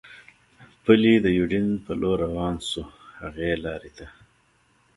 پلي د یوډین په لور روان شو، هغې لارې ته.